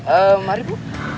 ehm mari bu